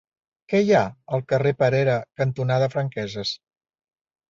Què hi ha al carrer Perera cantonada Franqueses?